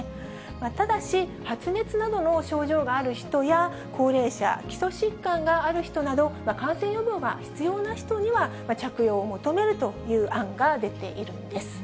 ただし発熱などの症状がある人や高齢者、基礎疾患がある人など、感染予防が必要な人には着用を求めるという案が出ているんです。